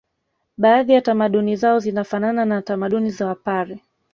Baadhi ya tamaduni zao zinafanana na tamaduni za wapare